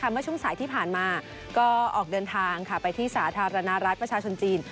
เมื่อช่วงสายที่ผ่านมาก็ออกเดินทางไปที่สาธารณรัฐประชาชนจีน